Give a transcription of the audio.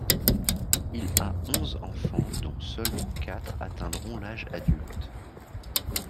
Il a onze enfants dont seulement quatre atteindront l'âge adulte.